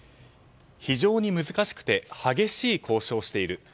非常に難しくて激しい交渉をしている。